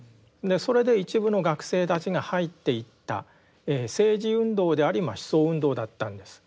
それで一部の学生たちが入っていった政治運動であり思想運動だったんです。